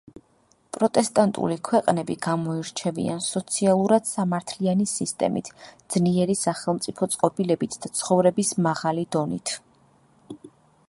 პროტესტანტული ქვეყნები გამოირჩევიან სოციალურად სამართლიანი სისტემით, ძლიერი სახელმწიფო წყობილებით და ცხოვრების მაღალი დონით.